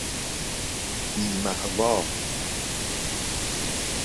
بی ماوی ـ بی ماوا